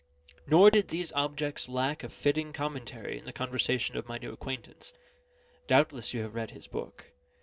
Nor did these objects lack a fitting commentary in the conversation of my new acquaintance. Doubtless you have read his book.